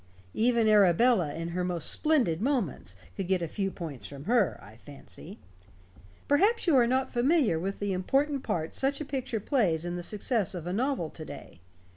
Even Arabella, in her most splendid moments, could get a few points from her, I fancy. Perhaps you are not familiar with the important part such a picture plays in the success of a novel to day.